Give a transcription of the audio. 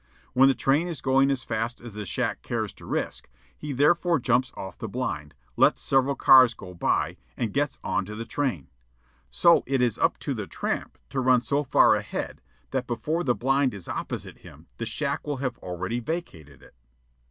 When the train is going as fast as the shack cares to risk, he therefore jumps off the blind, lets several cars go by, and gets on to the train. So it is up to the tramp to run so far ahead that before the blind is opposite him the shack will have already vacated it.